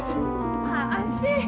hai apaan sih